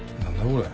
これ。